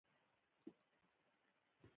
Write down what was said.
کورس د ښه راتلونکي امید دی.